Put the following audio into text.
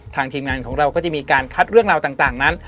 ทีมงานของเราก็จะมีการคัดเรื่องราวต่างนั้น